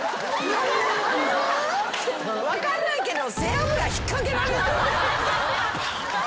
分かんないけど。